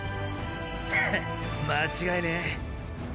ハッ間違いねェ。